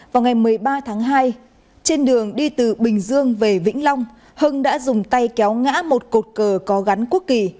vào ngày một mươi ba tháng hai trên đường đi từ bình dương về vĩnh long hưng đã dùng tay kéo ngã một cột cờ có gắn quốc kỳ